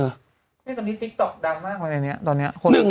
นี่ตอนนี้ติ๊กต๊อกดังมากเลยเนี่ยตอนนี้